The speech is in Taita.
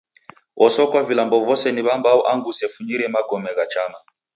Osokwa vilambo vose ni w'ambao angu usefunyire magome gha chama.